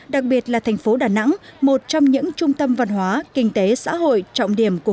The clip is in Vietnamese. đặc biệt là thành phố đà nẵng một trong những trung tâm văn hóa kinh tế xã hội trọng điểm của